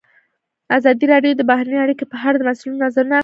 ازادي راډیو د بهرنۍ اړیکې په اړه د مسؤلینو نظرونه اخیستي.